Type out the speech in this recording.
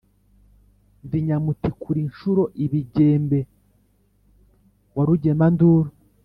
ndi nyamutikura inshuro ibigembe wa rugemanduru,